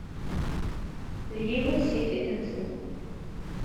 D yiwet si tid-nsen.